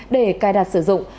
để cài đặt sử dụng